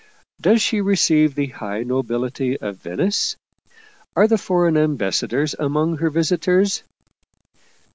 "Does she receive the high nobility of Venice? Are the foreign ambassadors among her visitors